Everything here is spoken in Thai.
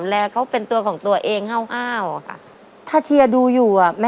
มีตะก้าไม้แผ่นเสื้อมีราวแผ่นเสื้อเป็นที่เรียบร้อยนะครับ